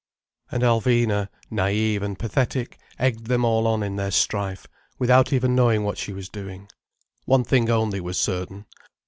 And Alvina, naïve and pathetic, egged them all on in their strife, without even knowing what she was doing. One thing only was certain.